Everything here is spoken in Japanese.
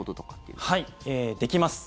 はい、できます。